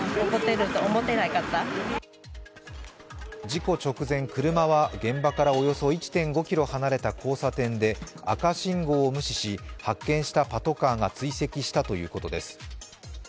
事故直前、車は現場からおよそ１．５ｋｍ離れた交差点で赤信号を無視し、発見したパトカーが追跡したということです。